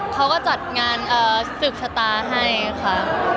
เขาก็จัดงานศึกษาตาให้ค่ะ